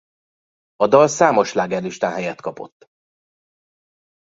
A dal számos slágerlistán helyet kapott.